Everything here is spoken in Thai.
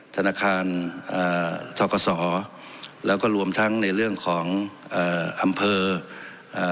ธนาคารอ่าทกศแล้วก็รวมทั้งในเรื่องของเอ่ออำเภออ่า